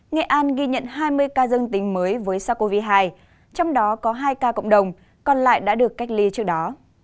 nghệ an ghi nhận hai mươi ca dương tính mới với sars cov hai trong đó có hai ca cộng đồng còn lại đã được cách ly trước đó